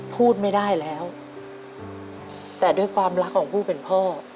พูดไม่ได้แล้วแต่ด้วยความรักของผู้เป็นพ่อ